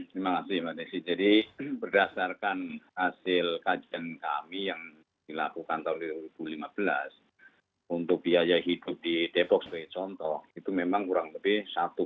terima kasih mbak desi jadi berdasarkan hasil kajian kami yang dilakukan tahun dua ribu lima belas untuk biaya hidup di depok sebagai contoh itu memang kurang lebih satu